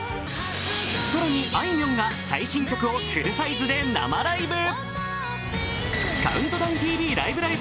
更に、あいみょんが最新曲をフルサイズで生ライブ。